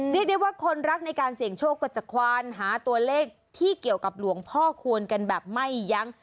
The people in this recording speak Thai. เรียกได้ว่าคนรักในการเสี่ยงโชคก็จะควานหาตัวเลขที่เกี่ยวกับหลวงพ่อควรกันแบบไม่ยั้ง